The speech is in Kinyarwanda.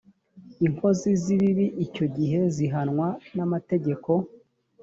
inkozi zibibi icyo gihe zihanwa n’ amategeko.